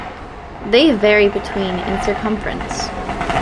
They vary between in circumference.